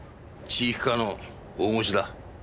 地域課の大越だ。